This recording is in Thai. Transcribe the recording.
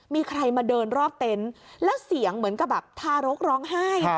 มีใครมาเดินรอบเต็นต์แล้วเสียงเหมือนกับแบบทารกร้องไห้